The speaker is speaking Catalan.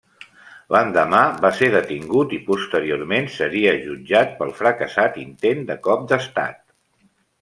L'endemà va ser detingut i posteriorment seria jutjat pel fracassat intent de cop d'estat.